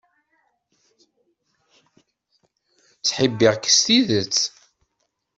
Ttḥibbiɣ-k s tidet.